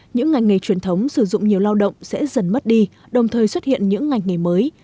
những ngành nghề truyền thống sử dụng nhiều lao động sẽ dần mất đi đồng thời xuất hiện những ngành nghề mới